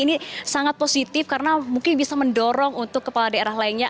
ini sangat positif karena mungkin bisa mendorong untuk kepala daerah lainnya